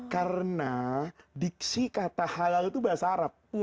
karena diksi kata halal itu bahasa arab